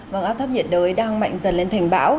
vâng áp thấp nhiệt đới đang mạnh dần lên thành bão